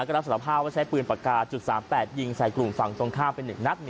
ก็รับสารภาพว่าใช้ปืนปากกา๓๘ยิงใส่กลุ่มฝั่งตรงข้ามไป๑นัด